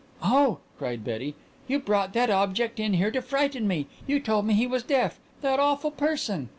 "Oh," cried Betty, "you brought that object in here to frighten me! You told me he was deaf that awful person!"